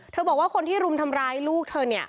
บอกว่าคนที่รุมทำร้ายลูกเธอเนี่ย